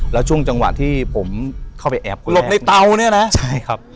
แล้วช่วงจังหวะที่ผมเข้าไปแอบหลบในเตาเนี่ยนะใช่ครับ